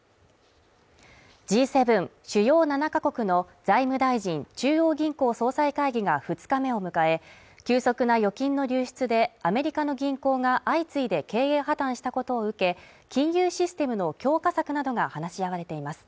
Ｇ７＝主要７カ国の財務大臣・中央銀行総裁会議が２日目を迎え急速な預金の流出で、アメリカの銀行が相次いで経営破綻したことを受け、金融システムの強化策などが話し合われています。